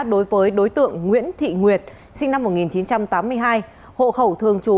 đối với đối tượng nguyễn thị nguyệt sinh năm một nghìn chín trăm tám mươi hai hộ khẩu thường trú